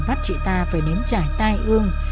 vắt chị ta phải nếm chải tai ương